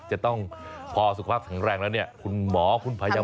จะต้องพอสุขภาพแข็งแรงแล้วเนี่ยคุณหมอคุณพยาบาล